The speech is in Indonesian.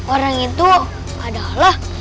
orang itu adalah